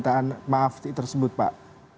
permintaan maaf tersebut pak